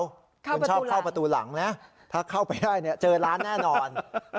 เข้าประตูหลังคุณชอบเข้าประตูหลังนะถ้าเข้าไปได้เจอร้านแน่นอน